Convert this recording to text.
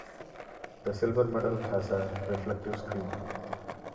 The silver model has a reflective screen.